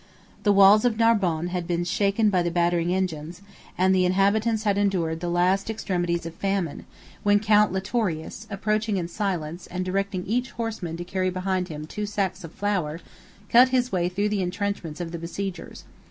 11 The walls of Narbonne had been shaken by the battering engines, and the inhabitants had endured the last extremities of famine, when Count Litorius, approaching in silence, and directing each horseman to carry behind him two sacks of flour, cut his way through the intrenchments of the besiegers.